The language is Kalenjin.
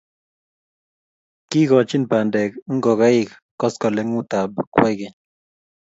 Kikochini bandek ngokaik koskoleng'utab kwekeny